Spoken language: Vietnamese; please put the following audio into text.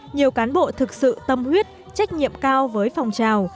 nhiều cán bộ thực sự tâm huyết trách nhiệm cao với phong trào